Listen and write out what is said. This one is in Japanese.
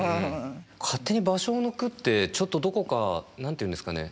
勝手に芭蕉の句ってちょっとどこか何て言うんですかね